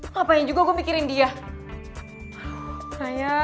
ngapain juga gue mikirin dia